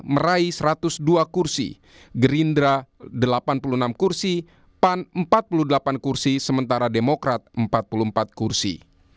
meraih satu ratus dua kursi gerindra delapan puluh enam kursi pan empat puluh delapan kursi sementara demokrat empat puluh empat kursi